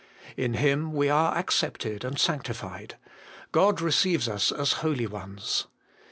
In Him we are accepted and sanctified ; God receives us as holy ones.